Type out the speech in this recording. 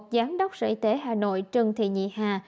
giám đốc sở y tế hà nội trần thị nhị hà